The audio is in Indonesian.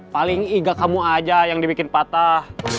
paling iga kamu aja yang dibikin patah